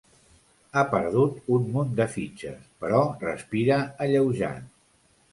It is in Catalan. Ha perdut un munt de fitxes, però respira alleujat.